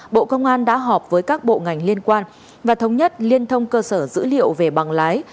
bộ công an đã họp với các bộ ngành liên quan và thống nhất liên thông cơ sở dữ liệu về bằng lái